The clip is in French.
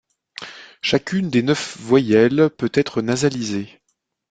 Chacune des neuf voyelles peut être nasalisée.